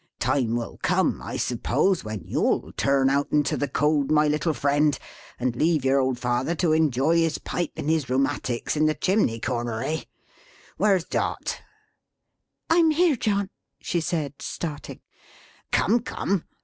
Time will come, I suppose, when you'll turn out into the cold, my little friend, and leave your old father to enjoy his pipe and his rheumatics in the chimney corner; eh? Where's Dot?" "I'm here John!" she said, starting. "Come, come!"